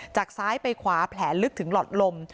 จากซ้ายไปขวาแผลลึกถึงหลอดลม